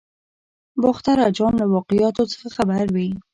باختر اجان له واقعاتو څخه خبر وي.